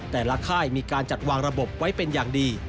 ค่ายมีการจัดวางระบบไว้เป็นอย่างดี